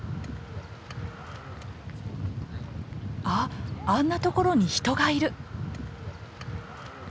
ああんなところに人がいる。